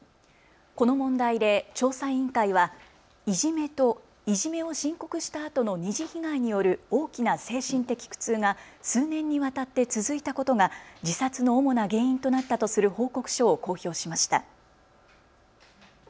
この問題で調査委員会はいじめと、いじめを申告したあとの２次被害による大きな精神的苦痛が数年にわたって続いたことが自殺の主な原因となったとする報告書を公表しました。